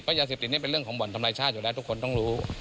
ยาเสพติดนี่เป็นเรื่องของบ่อนทำลายชาติอยู่แล้วทุกคนต้องรู้